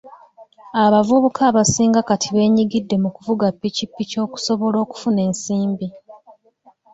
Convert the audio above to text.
Abavubuka abasinga kati beenyigidde mu kuvuga ppikipiki okusobola okufuna ensimbi.